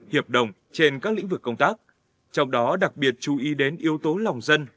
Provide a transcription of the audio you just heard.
hiệp đồng trên các lĩnh vực công tác trong đó đặc biệt chú ý đến yếu tố lòng dân